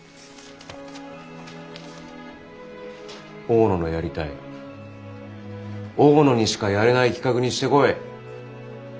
大野のやりたい大野にしかやれない企画にしてこい。